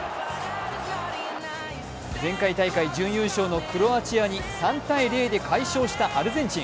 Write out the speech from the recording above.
前回大会準優勝のクロアチアに３−０で快勝したアルゼンチン。